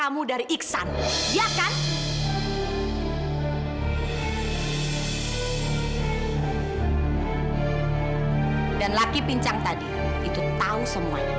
bukan anak papa kamu